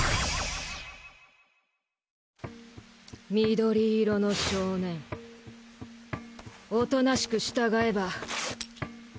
緑色の少年大人しく従えば。